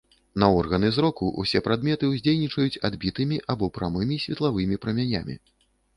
На органы зроку ўсе прадметы уздзейнічаюць адбітымі або прамымі светлавымі прамянямі.